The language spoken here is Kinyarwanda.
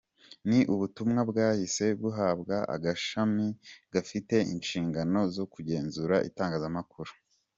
Ni ubutumwa bwahise buhabwa agashami gafite inshingano zo kugenzura itangazamakuru.